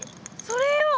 それよ！